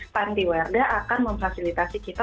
panti werda akan memfasilitasi kita